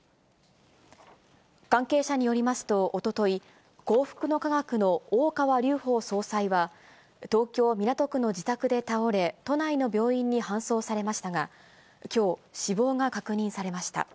関係者によりますと、おととい、幸福の科学の大川隆法総裁は、東京・港区の自宅で倒れ、都内の病院に搬送されましたが、きょう、死亡が確認されました。